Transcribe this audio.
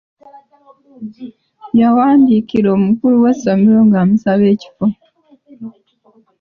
Yawandiikira omukulu w’essomero ng’amusaba ekifo.